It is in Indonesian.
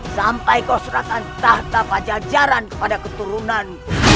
sampai kau serahkan tahta pajajaran kepada keturunan